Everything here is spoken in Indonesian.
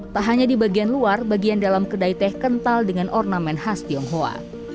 tak hanya di bagian luar bagian dalam kedai teh kental dengan ornamen khas tionghoa